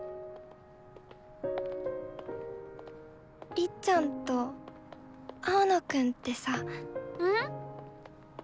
りっちゃんと青野くんってさ。ん？